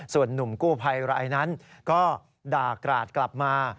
ส่วนหนุ่มกู้ภัยรายนั้นก็ด่ากราดกลับมา